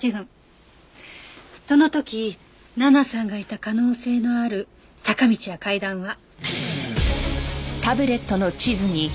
その時奈々さんがいた可能性のある坂道や階段は。